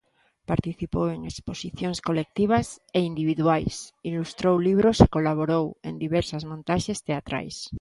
Participou en exposicións colectivas e individuais, ilustrou libros e colaborou en diversas montaxes teatrais.